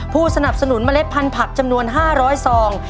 ผู้สนับสนุนเมล็ดพันธุผักจำนวน๕๐๐ซอง